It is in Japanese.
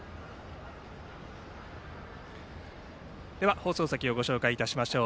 放送席をご紹介いたしましょう。